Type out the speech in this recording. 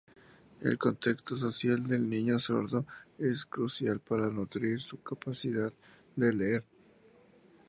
El contexto social del niño sordo es crucial para nutrir su capacidad de leer.